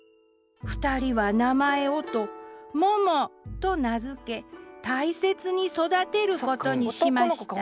２人は名前をと「もも」と名付け大切に育てることにしました。